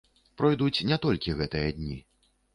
Пройдуць не толькі гэтыя дні.